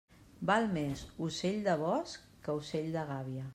Val més ocell de bosc que ocell de gàbia.